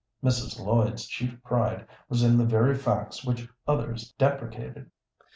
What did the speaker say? Mrs. Lloyd's chief pride was in the very facts which others deprecated.